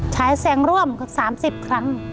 ใช้แสงร่วมกับ๓๐ครั้ง